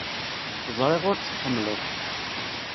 Ẓriɣ ur tt-tḥemmleḍ.